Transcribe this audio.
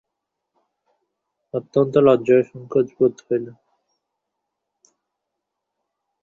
অত্যন্ত লজ্জা ও সংকোচ বোধ হইল।